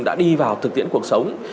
đã đi vào thực tiễn cuộc sống